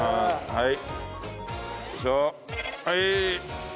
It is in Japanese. はい。